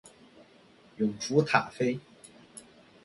永雏塔菲